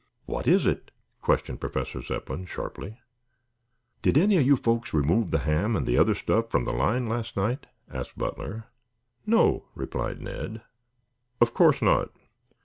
"What is it?" questioned Professor Zepplin sharply. "Did any of you folks remove the ham and the other stuff from the line last night?" asked Butler. "No," replied Ned. "Of course not.